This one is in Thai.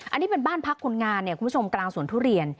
อันนี้เป็นบ้านพักคนงานเนี่ยคุณผู้ชมกลางสวนทุเรียน